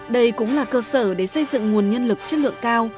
đây cũng là cơ sở để xây dựng nguồn nhân lực chất lượng cao